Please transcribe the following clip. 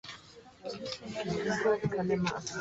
Yingirira ddala munda olabe bw'efaanana.